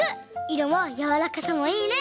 いろもやわらかさもいいね！